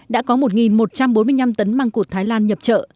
đã có một một trăm bốn mươi năm tấn măng cụt thái lan nhập chợ